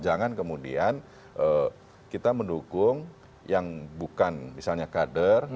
jangan kemudian kita mendukung yang bukan misalnya kader